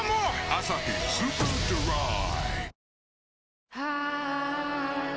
「アサヒスーパードライ」